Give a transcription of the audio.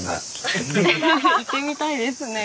行ってみたいですね。